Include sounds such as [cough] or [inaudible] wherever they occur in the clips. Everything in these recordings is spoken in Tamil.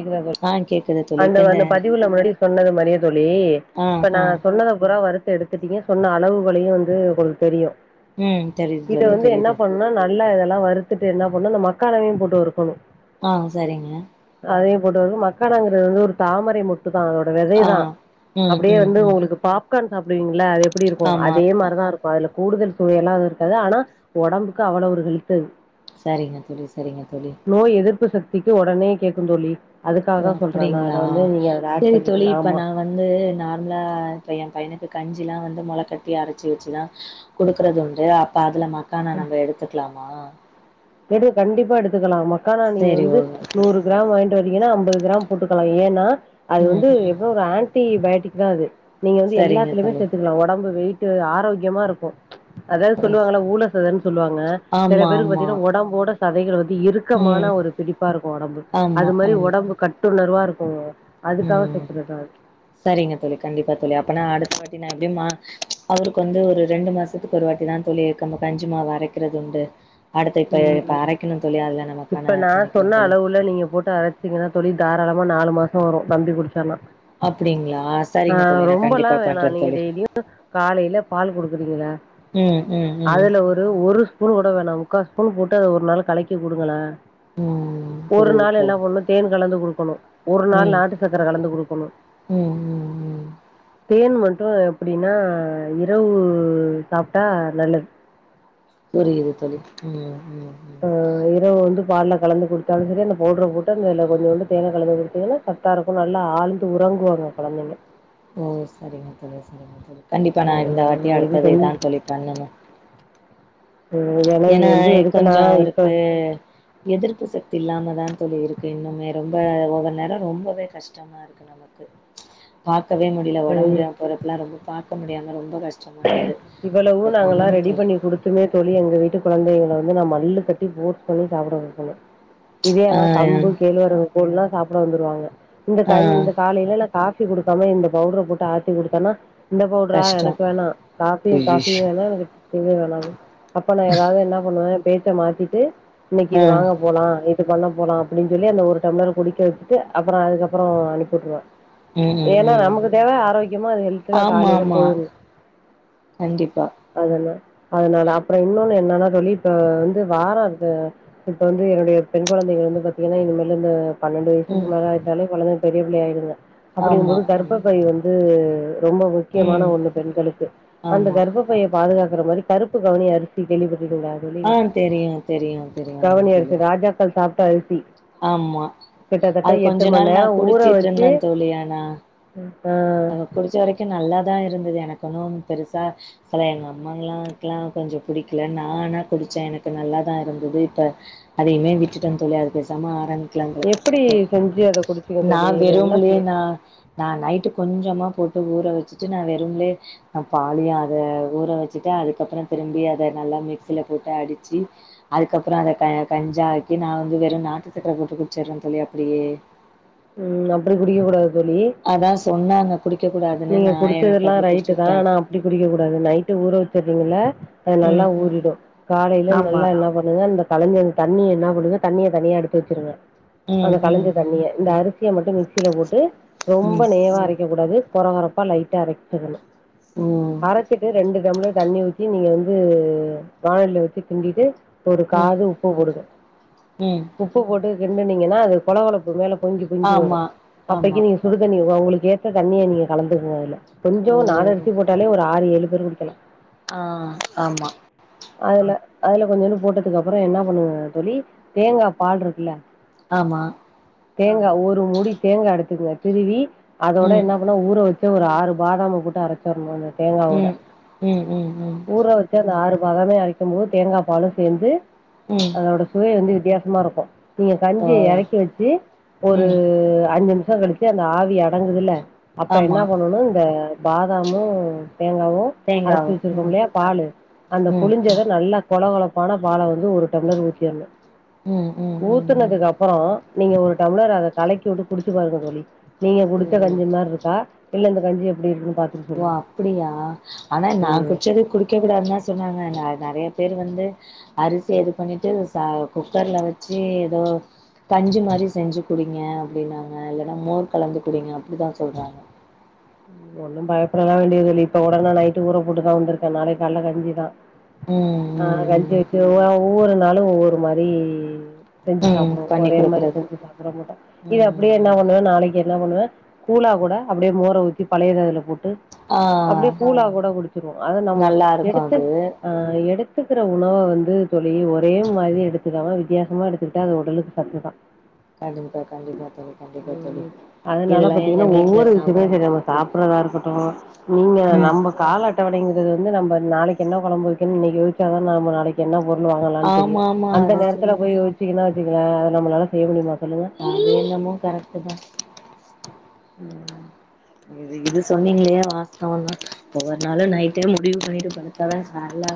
இருவது ஆ கே்கறது அந்த அந்த பதிவுல மாரி சொன்னது மாரியே தோழி ஆ இப்ப நா ஆ சொன்னத பூறா வரு எடுத்துட்டீங்க சொன்ன அளவுகளையு வந்து உங்குளுக்கு தெரியு ம் தெரியுது இத தோழி வந்து என்ன தெரியுது பண்ணோனா நல் நல்லா இதெல்லாம் வறுத்துட்டு என்ன பண்ணனோ இந்த மக்கானவையு போட்டு வறுக்கணு ஆ சரிங்க அதையு போட்டு வந்து மக்கானங்கிறது வந்து ஒரு தாமரை மொட்டு தா அந்த ஆ வெதைதா ம் அப்டியே ம் வந்து ம் உங்குளுக்கு பாப்கார்ன் சாப்பிடுவீங்கள அது எப்புடி இருக்கோ ஆமா அதே மாரிதா இருக் இப்ப அதுல கூடுதல் சுவையெல்லாது இருக்காது ஆனா ஒடம்புக்கு அவ்வளவு ஒரு ஹெல்த்து சரிங்க தோழி சரிங்க தோழி நோய் எதிர்ப்பு சக்திக்கு ஒடனே கேக்குந் தோழி ஓ அதுக்காகதா சொல்றே நா அத அப்டிங்களா வந்து நீங்க அத ஆட் சரி தோழி பண்ணிக்க இப்ப ஆமா நா வந்து நார்மலா இப்ப ஏ பையனுக்கு கஞ்சிலா வந்து மொள கட்டி அரச்சி வச்சு தா குடுக்கறது உண்டு அப்ப அதுல மக்கானா நம்ப எடுத்துக்கலாமா குடு கண்டிப்பா எடுத்துக்கலா மக்கானா நீங்க சரி வந்து ஓகே நூறு கிராம் வாங்கிட்டு வரீங்கன்னா அம்பது கிராம் போட்டுக்கலா ஏன்னா அது ம் வந்து ம் எதோ ஒரு ஆண்ட் டி பயோட்டிக்தா அது நீங்க வந்து சரிங்க எல்லாத்துலயுமே தோழி சேத்துக்கலா ஒடம்பு வெயிட்டு ஆரோக்கியமா இருக்கு அதாவது சொல்லுவாங்கல்ல ஊழ சதன்னு சொல்லுவாங்க செல ஆமா பேருக்கு ஆமா பாத்தீங்கன்னா ஒடம்போட சதைகள் வந்து இருக் ம் கமான ஒரு பிடிப்பா இருக்கும் ஒடம்பு அது ஆமா மாரி ஆமா ஒடம்பு கட்டுணர்வா இருக்குங்க ம் சரிங்க தோழி கண்டிப்பா தோழி அப்பனா அடுத்தவாட்டி நா எப்டியு மா அவருக்கு வந்து ஒரு ரெண்டு மாசத்துக்கு ஒரு வாட்டிதா தோழி கம்ம கஞ்சிமாவு அரைக்கிறதுண்டு அடுத்த இப்ப இப்ப ம் அரைக்கணு தோழி அதுல நா மக்கானா ஆட் பண்ணிக்கிற தோழி ஃபுல்லா நீங்க போட்டு அர ச்சிட்டீங்கன்னா தோழி தாராளமா நாலு மாச வரு தம்பி குடிச்சான்னா அப்டிங்களா ஆ சரிங்க தோழி நா ரொம்பல்லா கண்டிப்பா வேணா பண்றே நீங்க தோழி டெய்லியு காலையில பால் குடுக்குறீங்கல்ல ம் ம் ம் ஒரு ஒரு ஸ்பூன் கூட வேணா முக்காால் ஸ்பூன் போட்டு அத ஒரு நாள் கலக்கி குடுங்கள ம் ஒரு புரியுது நாள் என்ன தோழி பண்ணு தேன் கலந்து குடுக்கணு ஒரு நாள் ம் நாட்டு சக்கர கலந்து குடுக்கணு ம் ம் ம் தேன் மட்டு எப்டின்னா இரவு சாப்ட்டா நல்லது புரியுது தோழி ம் ம் ம் ஆ இரவு வந்து பால்ல கலந்து குடுத்தாலு சரி அந்த பவுட்ர போட்டு அந்தல கொஞ்சோண்டு தேன கலந்து குடுத்தீங்கன்னா கரெட் டா இருக்கு நல்லா ஆழ்ந்து உறங்குவாங்க கொழந்தைங்க ஓ சரிங்க தோழி சரிங்க தோழி கண்டிப்பா நா இந்தவாட்டி ம் இது அடுத்தது செஞ் இதா தோழி பண்ணணு [unintelligible] ஏன்னா கொஞ்ச எதுக்குன்னா அவருக்கு எதிர்ப்பு சக்தி இல்லாமதா தோழி இருக்கு இன்னுமே ரொம்ப ஒவ்வொரு நேர ரொம்பவே கஷ்டமா இருக்கு நமக் கு பாக்கவே மு டில ஒடம்பு இப்ப முடியாம போறப்பெல்லா ரொம்ப பாக்க முடியாம ரொம்ப கஷ்டமா இருக்கு அது பண்ணணு தோழி உண்மையே தோழி எங்க வீட்டு குழந்தைங்கள வந்து நா மல்லுக்கட்டி ஃபோர்ஸ் பண்ணி சாப்ட வக்கணு இதே ஆனா கம்பு ஆ கேள்வரகு கூழ்லா சாப்ட வந்துருவாங்க இந்த கஞ் இந்த ஆ காலையில நா காஃபி குடுக்காம இந்த பவுடர போட்டு ஆத்தி குடுத்தேன்னா இந்த பவுடரா கஷ்டோ எனக்கு வேணா காஃபியு காஃபியு ஐயையோ [unintelligible] எனக்கு தெளிவா வேணாணுங் அப்ப நா ஏதாவது என்ன பண்ணுவ பேச்ச மாத்திட்டு இன்னைக்கு இது ஆ வாங்கப் போலா இது பண்ண போலா அப்டின்னு சொல்லி அந்த ஒரு டம்ளர குடிக்க வச்சுட்டு அப்புற அதுக்கப்புற அனுப்பிட்டுருவ ம் ம் ஏன்னா ம் நமக்கு ம். தேவ ஆரோக்கியமா அது ஹெல்த்டா ஆமா காலையில ஆமா போவுது கண்டிப்பா அதன அதனால அப்புற இன்னொன்னு என்னன்னா தோழி இப்ப வந்து வார அது இப்ப வந்து என்னுடைய பெண் கொழந்தைகள் வந்து பாத்தீங்கன்னா இனிமேலு இந்த பன்னெண்டு வயசுக்கு ம் மேல ஆயிட்டாலே கொழந்தை பெரிய புள்ள ஆயிருங்க ஆமா அப்டிங்கும்போது ஆமா கர்பப்பை வந்து ரொம்ப முக்கியமான ம் ஒன்னு பெண்களுக்கு அந்த ஆமா கர்ப்பப் பைய பாதுகாக்கற மாரி கருப்புக் கவனி அரிசி கேள்விப்பட்டிருக்கீங்களா தோழி ஆ தெரியு தெரியு தெரியு கவனி தோழி அரிசு ராஜாக்கள் சாப்ட்ட அரிசி ஆமா கிட்டத்தட்ட அது எட்டு கொஞ்ச நாள் நா மண்நேர ஊற குடிச்சிட்டு வச்சு இருந்தே ம் ஆ நாங்க குடிச்ச வரைக்கு நல்லாதா இருந்தது எனக்கு ஒன்னும் பெருசா செல எங்க அம்மாங்கல்லாக்கெல்லா கொஞ்ச புடிக்கல நா ஆனா குடிச்சே எனக்கு நல்லாதா இருந்தது இப்ப அதையுமே விட்டுட்டன் தோழி அது பேசாம ஆரம் பிக்கலா இப்ப எப்படி குடிக்க செஞ்சு அத குடிச்சீங்க நா தோழி என்ன வெறும்லே செ- நா நா நைட்டுக் கொஞ்சமாக போட்டு ஊற வச்சுட்டு நா வெறும்லே நா பாலயும் அத ஊற வச்சுட்டு அதுக்கப்புறம் திரும்பி அத நல்லா மிக்சில போட்டு அடிச்சு அதுக்கப்புறம் அத க கஞ்சாக்கி நா வந்து வெறும் நாட்டுச்சக்கர போட்டு குடிச்சிறே தோழி அப்டியே ம் அப்டி குடிக்க கூடாது தோழி அதான் சொன்னாங்க குடிக்க கூடாதுன்னு நீங்க நா எனக்கு குடிச்சதெல்லா அப்டி ரைட்டு தா குடிச்சுட்டே ஆனா அப்டி குடிக்க கூடாது நைட்டு ஊற வச்சிருங்கள்ல அது நல்லா ம் ம் ஊறிடும் காலையில ஆமா நல்லா என்ன பண்ணுங்க அந்த கலைஞ்ச அந்த தண்ணிய என்ன பண்ணுங்க தண்ணிய தனியா எடுத்து வச்சிருங்க அந்த ம் கலைஞ்ச ம் தண்ணிய இந்த அரிசிய மட்டும் மிக்சியில போட்டு ரொம்ப ம் நேவா அரைக்கக் கூடாது கொற கொறப்பா லைட்டா அரைச்சுக்கணு ஓ அரைச்சிட்டு ரெண்டு டம்ளர் தண்ணி ஊத்தி நீங்க வந்து வானையில வச்சு கிண்டிட்டு ஒரு ம் ம் காது உப்பு போடுங்க ம் உப்பு போட்டு கிண்டுனீங்கன்னா அது கொழ கொழப்பு மேல பொங்கி பொங்கி ஆமா வரும் ஆமா அப்பைக்கு நீங்க சுடுதண்ணி உங்களுக்கு ஏத்த தண்ணிய நீங்க கலந்துக்கனு அதுல கொஞ்சோ ஓ நாளு அரிசி போட்டாலே ஒரு ஆறு ஏழு பேர் குடிக்கலா ஆ ஆமா அதுல அதுல கொஞ்சோண்டு போட்டதுக்கப்புறம் என்ன பண்ணுங்க தோழி தேங்கா பால் இருக்குல்ல ஆமா தேங்கா ஒரு மூடி தேங்கா எடுத்துக்குங்க திருவி அதோட ம் என்ன பண்ண ஊற வச்சு ஒரு ஆறு பாதாம போட்டு அரைச்சரணும் அந்த தேங்காவோட ம் ம் ம் ம் ஊற வச்சு அந்த ஆறு பாதமே அரைக்கும் போது தேங்கா பாலும் சேர்ந்து உம் அதோட சுவை வந்து வித்தியாசமா இருக்கும் நீங்க ஓ கஞ்சிய இறக்கி வச்சு ஒரு ம் அஞ்சு நிமிஷம் கழிச்சு அந்த ஆவி அடங்குதுல அப்ப ஆமா என்ன பண்ணனு இந்த பாதாமும் தேங்காவும் அரைச்சு தேங்காவு வச்சிருக்கோ ம் இல்லையா பாலு அந்த ம் ம் புழிஞ்சத நல்ல கொழ கொழப்பான பால வந்து ஒரு டம்ளர் ஊத்திரணும் உம் உம் ஊத்துனதுக்கு அப்புறம் நீங்க ஒரு டம்ளர் அத கலக்கி விட்டு குடிச்சு பாருங்க தோழி நீங்க குடிச்ச ஓ கஞ்சி மாரி இருக்கா இல்ல இந்த கஞ்சி எப்டி இருக்குன்னு பாரு ஓ அப்படியா ஆனா நா குடிச்சது குடு வைக்க கூடாது தா சொன்னாங்க நிறைய பேர் வந்து அரிசி எது பண்ணிட்டு ச குக்கர்ல வச்சு எதோ கஞ்சி மாரி செஞ்சு குடிங்க அப்படின்னாங்க இல்லன்னா மோர் கலந்து குடிங்க அப்படிதா சொல்றாங்க ஒன்னும் பயப்படலா வேண்டியதில்ல இப்ப கூட நா நைட்டு ஊர போட்டுதா வந்துருக்கே நாளைக்கு காலையில கஞ்சிதா ம் ஆ கஞ்சி ம் ம் வச்சு ஒவ்வொரு நாளும் ஒவ்வொரு மாரி செஞ்சு ம் சாப்புடுவோ பண்ணி ஒரே மாரி குடுக்குறது செஞ்சி சாப்ட மாட்டோ இத ம் அப்படியே என்ன ம் பண்ணுவ நாளைக்கு என்ன பண்ணுவ கூழா கூட அப்படியே மோர ஊத்தி பழையத அதுல போட்டு ஆ அப்டியே கூழா கூட குடிச்சிருவோ அத நம்ம நல்லா இருக்கு எடுத்து அது ஆ எடுத்துக்குற உணவ வந்து தோழி ஒரே மாரி எடுத்துக்காமா வித்தியாசமா எடுத்துக்கிட்டா அது உடலுக்கு சத்து தா கண்டிப்பா கண்டிப்பா தோழி கண்டிப்பா தோழி ம் இதெல்லா எங்க வீட்ல சாப்ட மாட்டாங்க தோழி சாப்ட்றதா இருக்கட்டும் நீங்க ம் நம்ம கால அட்டவணைங்கிறது வந்து நம்ம நாளைக்கு என்ன குழம்பு வைக்கனு இன்னைக்கு யோசிச்சா தா நாம நாளைக்கு என்ன பொருள் வாங்கலான்னு தெரியு ஆமா ஆமா அந்த அத நேரத்துல சொல்லுங்க போய் வெச்சுகுனா வெச்சிகங்க நம்மளால செய்ய முடியுமா சொல்லு அது என்னமோ கரெக்ட்டு தா இது இது சொன்னீங்களே வாஸ்தவோ தா ஒவ்வொரு நாளு நைட்டே முடிவு பண்ணிட்டு படுத் அப்ப தா கால்ல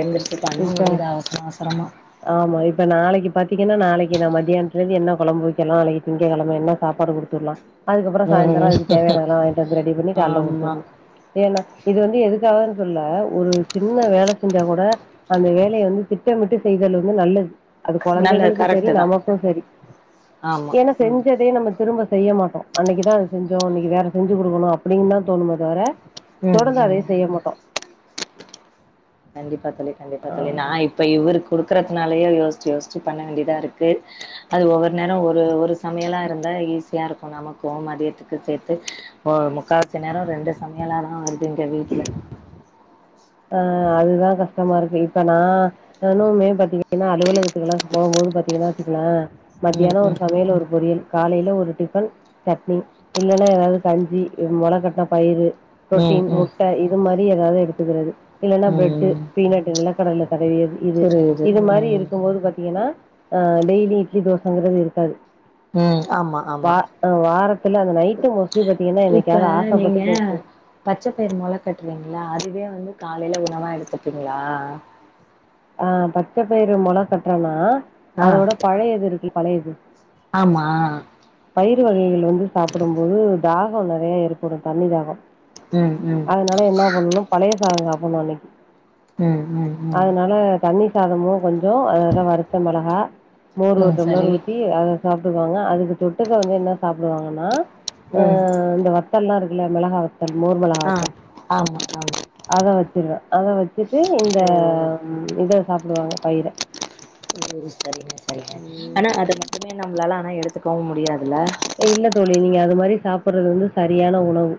எழுந்திருச்சி பண்ண இப்ப முடியுது அவசர அவசரமா ஆமா இப்ப நாளைக்கு பாத்தீங்கன்னா நாளைக்கு நா மத்தியானத்துலருந்து என்ன கொழம்பு வெக்கலா நாளைக்கு திங்கெழம என்ன சாப்பாடு கூடுக் கொடுத்துவுட்லா அதுக்கப்புறோ சாயந்தரோ அதுக்கு ம் தேவானது எல்லா வாங்கிட்டு வந்து ரெடி பண்ணி கால்ல ஆமா குடுத்துவுட்னு ஏன்னா இது வந்து எதுக்காகனு சொல்ல ஒரு சின்ன வேல செஞ்சா கூட அந்த வேலைய வந்து திட்டமிட்டு செய்தல் வந்து நல்லது அது நல்ல கொழந்தைகளுக்கு செரி கரெக்ட்டு தா நமக்கு செரி ஆமா எனக் செஞ்சதே நம்ம திரும்ப செய்ய மாட்டோ அன்னைக்குதா அது செஞ்சோ இன்னைக்கு வேற செஞ்சு குடுக்கணு அப்டின்னு தா தோணுமே தவர ம் தொடர்ந்து அதையே ம் செய்ய மாட்டோ கண்டிப்பா தோழி கண்டிப்பா தோழி நா இப்ப இவருக் குடுக்கறத்துனாலயே யோசிச்சி யோசிச்சி பண்ண வேண்டிதா இருக்கு அது ஒவ்வொரு நேரோ ஒரு ஒரு சமையலா இருந்தா ஈஸியா இருக்கு நா நமக்கு மதியத்துக்கு சேத்து ஒ முக்கா வாசி நேரோ ரெண்டு சமையலாதா வருது எங்க வீட்ல ஆ அதுதா கஷ்டமா இருக்கு இப்ப நா நானுமே பாத்திங்க ஏன்னா அலுவலகத்துக்கெல்லா போகும்போது பாத்தீங்கன்னா வெச்சுக்களே ம் மத்தியானோ ஒரு சமையலு ஒரு பொரியல் காலையில ஒரு டிஃபன் சட்னி இல்லன்னா ஏதாது கஞ்சி மொள கட்டின பயிரு ம் ம் புரோட்டீன் ம் முட்ட இது மாரி ஏதாது எடுத்துக்கறது இல்லன்னா பிரெட்டு ம் பீனட் நிலகடல தடவியது இது புரியுது இது மாரி ம் இருக்கும் போது பாத்தீங்கன்னா ஆ டெய்லி இட்லி தோசங்கறது இருக்காது ம் ஆமா ஆமா ஆ வாரத்துல அந்த நைட்டு மோஸ்லி பாத்தீங்கன்னா என்னைக்காது ஆசைப்பட்டு கேக்கு பச்சப்பயிர் மொள கட்றிங்களா அதுவே வந்து காலையில உணவா எடுத்துப்பிங்களா ஆ பச்ச பயிறு மொள கட்டுறனா ஆ அதோட பழைய இது இருக்குல பழைய இது ஆமா பயிறு வகைகள் வந்து சாப்புடும் போது தாகம் நறைய ஏற்படு தண்ணி தாகோ ம் ம் அதனால என்னா பண்ணனு பழைய சாதோ சாப்புட்னு அன்னைக்கு ம் ம் ம் அதனால தண்ணி சாதமு கொஞ்சோ அதல வருத்த மிளகா மோர் ஒரு ம் டம்ளர் சரி ஊத்தி அத சாப்புடுவாங்க அதுக்கு தொட்டுக்க வந்து என்ன சாப்புடுவாங்கன்னா அ ம் இந்த வத்த வத்தல்லா இருக்குல மிளகா ஆ மோர்மெளகாவத்தல் ஆமா ஆமா அத வெச்சிருவே அத வெச்சிட்டு இந்த ஓ ம் இத சாப்புடுவாங்க பயிர ஒ சரிங்க சரிங்க ம் ஆனா அது மட்டுமே நம்மளால ஆனா எடுத்துக்கவு முடியாதுல இல்ல தோழி நீங்க அது மாரி சாப்புட்றது வந்து சரியான உணவு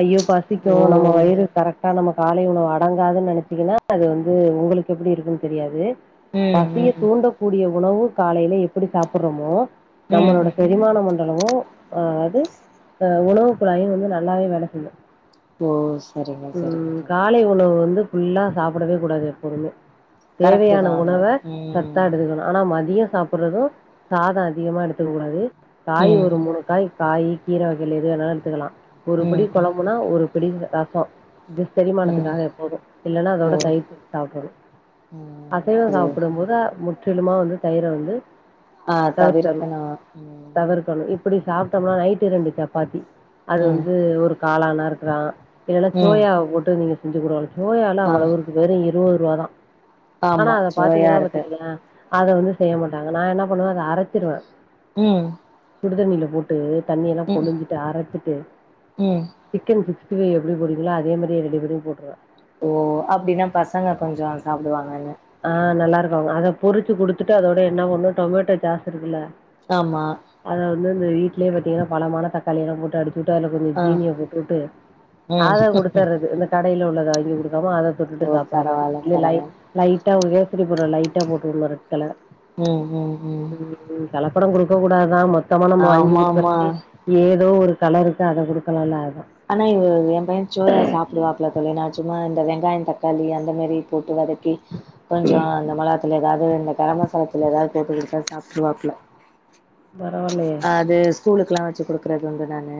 ஐயோ பசிக்கு ஓ நம்ம வயிறு கரெக்டா நம்ம காலை உணவு அடங்காதுன்னு நெனைச்சீங்கன்னா அது வந்து உங்களுக்கு எப்டி இருக்குன்னு தெரியாது ம் பசிய ம் தூண்டக்கூடிய உணவு காலையில எப்படி சாப்புட்றமோ ம் நம்மளோட ம் செரிமானம் வந் அளவு அ அதாது அ உணவு குழாயு வந்து நல்லாவே வேல செய்யு ஓ சரிங்க சரிங்க ம் சரிங்க காலை உணவு வந்து ஃபுல்லா சாப்புடவே கூடாது எப்போவுமே கரெக்ட்டு தேவையான தா ஆனா உணவ சத்தா ம் எடுத்துக்கனு ஆனா மதியோ சாப்புட்றதோ சாதோ அதிகமா எடுத்துக்கக்க கூடாது காய் ஒரு ம் மூணு காய் காயி கீர வகையில எது வோணாலு எடுத்துக்கலா ம் ஒருபடி ம் கொழம்பு னா ஒரு புடி ரசோ ம் செரிமானத்துக்காக எப்போது இல்லன்னா ஓ அதோட தயிர் சோறு சாப்புட்றனு ம் அசைவோ சரி சாப்புடும் போது முற்றிலுமா வந்து தயிர வந்து ஆ தவிர்த்தர்ணு தவிர்க்கணு ம் தவிர்க்கணு இப்டி சாப்ட்டமா நைட்டு ரெண்டு சப்பாத்தி அது ம் வந்து ஒரு காளானா இருக்கலா இல்லன்னா ம் சோயாவ் போட்டு நீங்க செஞ்சு கூட [unintelligible] சோயால்லா ஆ அவ்வளவ் இருக்கு வெறு இருவத்ருவா தா ஆனா ஆமா அத சுவையா பாத்தீங்கனா இருக்கு பாத்துக்கங்ளே அத வந்து செய்ய மாட்டாங்க நா என்ன பண்ணுவ அத அரச்சிருவே ம் சுடுதண்ணில போட்டு தண்ணியெல்லா ம் புழிஞ்சிட்டு அரச்சிட்டு ம் சிக்கன் சிக்ஸ்டி ஃபை எப்டி போடுவீங்ளோ அதே மாரியே ரெடி பண்ணி போட்ருவே ஓ அப்டினா பசங்க கொஞ்சோ சாப்டுவாங்கன்னு ஆ நல்லாருக்கு அத பொரிச்சு குடுத்துட்டு அதோட என்ன பண்ணு டொமேட்டோ சாஸ் இருக்குல்ல ஆமா அத வந்து இந்த வீட்லயே பாத்தீங்கனா பழமான தக்காளி எல்லா போட்டு அடிச்சு போட்டு அதுல கொஞ்சோ ஆ ஜீனிய போட்டுவுட்டு ம் அத குடுத்தர்றது இந்த கடைல உள்ளத வாங்கி குடுக்காம அத தொட்டுட்டு ஓ சாப்பட்ற மாரி பரவால்ல இதுல லை பரவால்ல லைட்டா ஒரு கேசரி பவுடர லைட்டா போட்டுவுட்ணு ரெட் கலர் ம் ம் ம் ம் கலப்படோ குடுக்க கூடாதா மொத்தமா நம்ம வாங்கி ஆமாமா குடுக்கறத்துக்கு ஏதோ ஒரு கலருக்கு அத குடுக்கலால்ல அதா ஆனா இவ எம்பைய சோயா சாப்டுவா இல்ல தோழி நா சும்மா இந்த வெங்காயோ தக்காளி அந்த மாரி போட்டு வதக்கி கொஞ்சோ அந்த மொளகா தூளு எதாவ்து இந்த கர மசாலா தூளு எதாவ்து போட்டு குடுத்தா சாப்ட்ருவாப்ல பரவால்லையே அது ஸ்கூலுக்கெல்லா வெச்சு குடுக்கறது வந்து நானு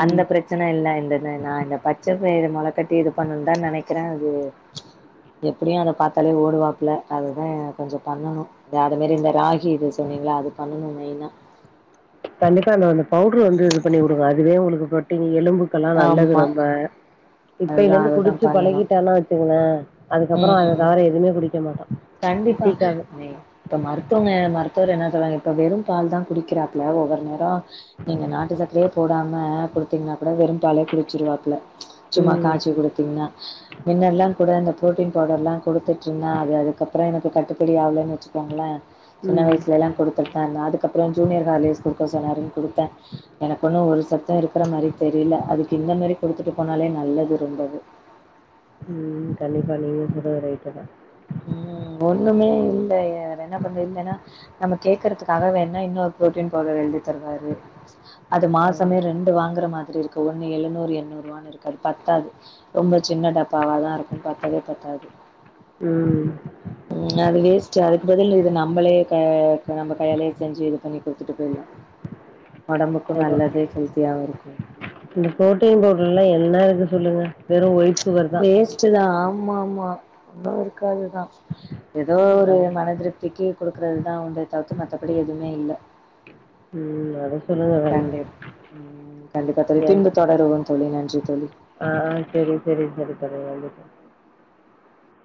ம் அந்த பிரச் சனை எல்லா இருந்துது நா இந்த பச்சப்பயிரு மொளக்கட்டி இது பண்ணுன் தா நெனைக்கறே அது எப்டியு அத பாத்தாலே ஓடுவாப்ல அது தா எனக் கொஞ்சோ பண்ணனு இல்ல அது மாரி இந்த ராகி இது சொன்னீங்கல்ல அது பண்ணனு மெயின்னா கண்டிப்பா அந்த அந்த பவுட்ரு வந்து இது பண்ணி உடுங்க அதுவே உங்களுக்கு ப்ரோட்டீன் எலும்பு க்கல்லா நல்லது ஆமா ரொம்ப அதுதா இப்பைலர்ந்து அதுதா குடிச்சு பண்ணணு பழகிட்டானா வெச்சுக்கங்ளே அதுக்கப்றோ ம் அது ம் தவர எதுமே குடிக்க மாட்டா கண்டிப்பா டீ காஃபி தோழி இப்ப மருத்துவங்க மருத்துவர் என்ன சொல்றாங்க இப்ப வெறும் பால் தா குடிக்கிறாப்ல ஒவ்வொரு நேரோ நீங்க நாட்டு சக்கரையே போடாம குடுத்தீங்னா கூட வெறும் பாலே குடிச்சிருவாப்ல சும்மா ம் காச்சி குடுத்தீங்னா மின்னல்லா கூட இந்த ப்ரோட்டீன் பவுடர்லா குடுத்துட் ருந்தே அது அதுக்கப்றோ எனக்கு கட்டுப்படி ஆவலன் வெச்சுக்கோங்ளே சின்ன ம் வயசுல எல்லா குடுத் தே நா அதுக்கப்றோ ஜூனியர் ஹார்லிக்ஸ் குடுக்க சொன்னாருன் குடுத்தே எனக்கு ஒன்னு ஒரு சத்து இருக்கற மாரி தெரியில அதுக்கு இந்த மாரி குடுத்துட்டு போனாலே நல்லது ரொம்பவு ம் கண்டிப்பா நீங்க சொல்றது ரைட்டு தா ம் ஒன்னுமே இல்லையே வேற என்ன பண்றது இல்லன்னா நம்ம கேக்கறதுக்காக வேணா இன்னோரு ப்ரோட்டீன் பவுடரு எழுதி தருவாரு அது மாசமே ஆமா ரெண்டு வாங்கற மாதிரி இருக்கு ஒன்னு எழுநூறு, எண்ணூர்ரூவானுருக்கு அது பத்தாது ரொம்ப சின்ன டப்பாவா தா இருக்கு பத்தவே பத்தாது ம் ம் அது வேஸ்ட்டு அதுக்கு பதில் இது நம்மளே கே க நம்ம கையாலே செஞ்சு இது பண்ணி குடுத்துட்டு போயிர்லா [inaudible] ஒடம்புக்கு ஆமா. நல்லது ஹெல்த்தியாவு இருக்கு இந்த ப்ரோட்டீன் பவுடர்லா என்ன இருக்கு சொல்லுங்க வெறு ஒயிட் சுகர் தான் ஆமா ஆமா ரொம்ப இருக்காதுதான் ஏதோ ம். ஒரு அது மனதிரு க்கி கொடுக்குறது தான் உன்றை தவ்த்து மத்தபடி எதுவுமே இல்லை ம் சொல்லுங்க வேணா. கண்டி உம் கண்டிப்பா தோழி பின்பு தொடருவோம் தோழி நன்றி தோழி ஆஹ் ஆஹ் சரி சரி ம். சரி சரி தோழி